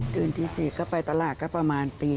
ตื่นที่๔ก็ไปตลาดประมาณตี๕